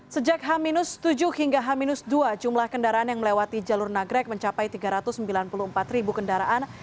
sejak h tujuh hingga h dua jumlah kendaraan yang melewati jalur nagrek mencapai tiga ratus sembilan puluh empat ribu kendaraan